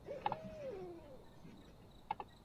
腺毛蹄盖蕨为蹄盖蕨科蹄盖蕨属下的一个种。